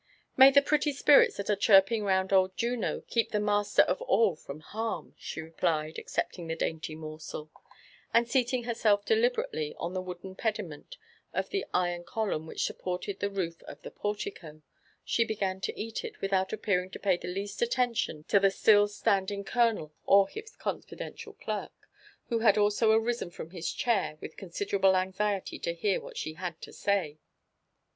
" May the pretty spirits that are chirping round old Juno keep the master of all from harm!" she replied, accepting the dainty morsel ; and seating herself deliberately on the wooden pediment of the iron column which supported the roof the portico, she began to eat it without appearing to pay the least attention to the still standing colo nel or his confidential clerk, who had also arisen from his chair with considerable aniiety to hear what she had to say.